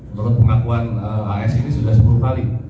menurut pengakuan as ini sudah sepuluh kali